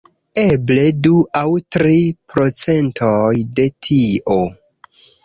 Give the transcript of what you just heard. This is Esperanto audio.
Eble du aŭ tri procentoj de tio.